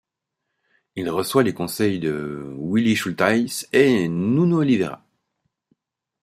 Il reçoit les conseils de Willi Schultheis et Nuno Oliveira.